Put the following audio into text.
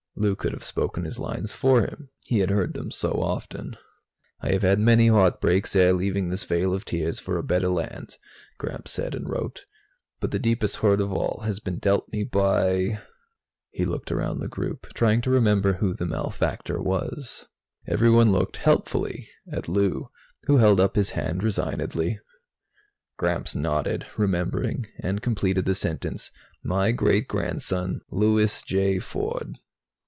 Lou could have spoken his lines for him, he had heard them so often. "I have had many heartbreaks ere leaving this vale of tears for a better land," Gramps said and wrote. "But the deepest hurt of all has been dealt me by " He looked around the group, trying to remember who the malefactor was. Everyone looked helpfully at Lou, who held up his hand resignedly. Gramps nodded, remembering, and completed the sentence "my great grandson, Louis J. Ford."